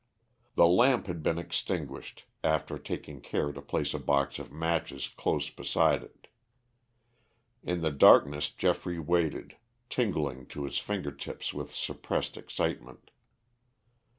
The lamp had been extinguished, after taking care to place a box of matches close beside it. In the darkness Geoffrey waited, tingling to his finger tips with suppressed excitement.